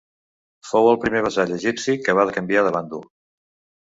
Fou el primer vassall egipci que va canviar de bàndol.